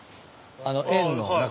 あの円の中。